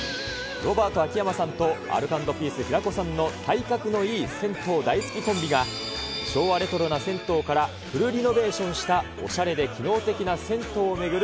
ロバート・秋山さんと、アルコ＆ピース・平子さんの体格のいい銭湯大好きコンビが、昭和レトロな銭湯からフルリノベーションしたおしゃれで機能的な銭湯を巡る